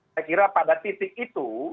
saya kira pada titik itu